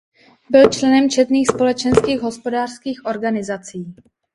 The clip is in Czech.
Byl členem četných společenských a hospodářských organizací.